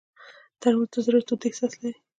ترموز د زړه تود احساس لري.